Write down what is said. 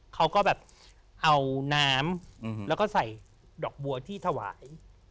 เขาก็แบบเอาน้ำแล้วก็ใส่ดอกบัวที่ถวาย